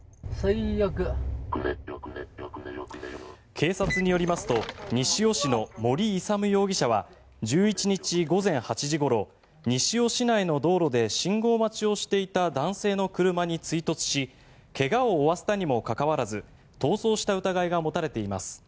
警察によりますと西尾市の盛勇容疑者は１１日午前８時ごろ西尾市内の道路で信号待ちをしていた男性の車に追突し怪我を負わせたにもかかわらず逃走した疑いが持たれています。